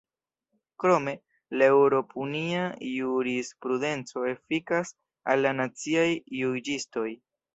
Krome, la eŭropunia jurisprudenco efikas al la naciaj juĝistoj.